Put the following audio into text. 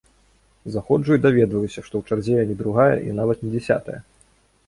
Заходжу і даведваюся, што ў чарзе я не другая, і нават не дзясятая.